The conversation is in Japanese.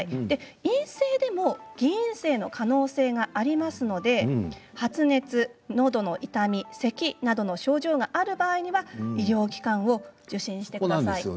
陰性でも偽陰性の可能性がありますので発熱、せき、のどの痛みなどの症状がある場合は医療機関を受診してください。